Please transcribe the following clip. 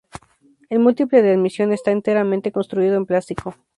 El múltiple de admisión está enteramente construido en plástico.